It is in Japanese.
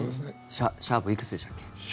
シャープいくつでしたっけ？